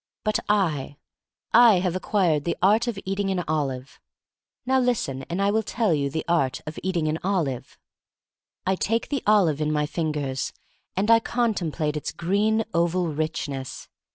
But I — I have acquired the art of eat ing an olive. Now listen, and I will tell you the art of eating an olive: I take the olive in my fingers, and I contemplate its green oval richness.